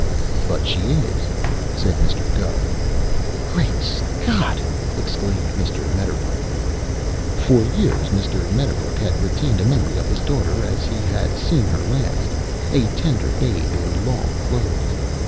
"But she is," said Mr. Gubb. "Great Scott!" exclaimed Mr. Medderbrook. For years Mr. Medderbrook had retained a memory of his daughter as he had seen her last, a tender babe in long clothes.